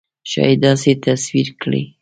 ښایي داسې تصویر کړي.